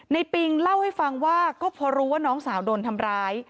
ปิงเล่าให้ฟังว่าก็พอรู้ว่าน้องสาวโดนทำร้าย